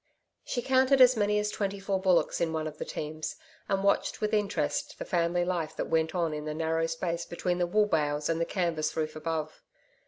She counted as many as twenty four bullocks in one of the teams, and watched with interest the family life that went on in the narrow space between the wool bales and the canvas roof above.